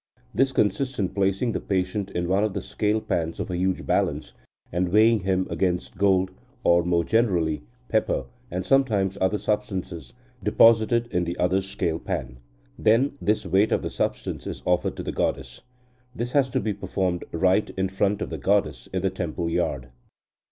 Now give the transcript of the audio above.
This consists in placing the patient in one of the scale pans of a huge balance, and weighing him against gold, or, more generally, pepper (and sometimes other substances), deposited in the other scale pan. Then this weight of the substance is offered to the goddess. This has to be performed right in front of the goddess in the temple yard."